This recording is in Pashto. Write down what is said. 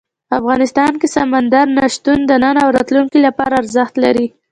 افغانستان کې سمندر نه شتون د نن او راتلونکي لپاره ارزښت لري.